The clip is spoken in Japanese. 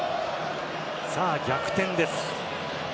さあ、逆転です。